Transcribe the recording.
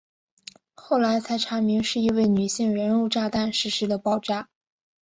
后来才查明是一位女性人肉炸弹实施了爆炸。